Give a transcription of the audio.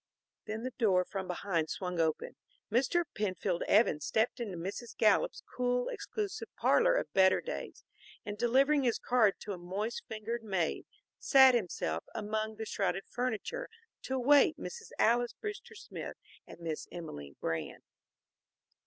Then the door from behind swung open. Mr. Penfield Evans stepped into Mrs. Gallup's cool, exclusive parlor of better days, and delivering his card to a moist fingered maid, sat himself among the shrouded furniture to await Mrs. Alys Brewster Smith and Miss Emelene Brand.